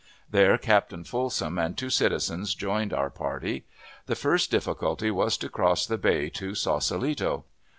There Captain Fulsom and two citizens joined our party. The first difficulty was to cross the bay to Saucelito.